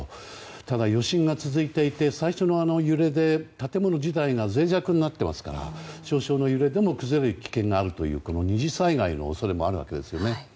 ただ、余震が続いていて最初の揺れで建物自体が脆弱になっていますから少々の揺れでも崩れる危険もある２次災害の恐れもあるわけですね。